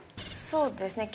そうですね。